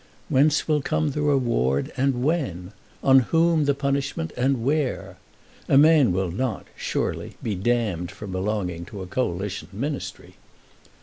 Whence will come the reward, and when? On whom the punishment, and where? A man will not, surely, be damned for belonging to a Coalition Ministry!